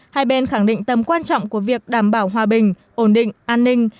hai bên khẳng định tầm quan trọng của việc đảm bảo hòa bình ổn định an ninh